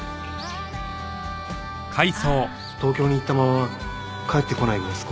東京に行ったまま帰ってこない息子がいるって。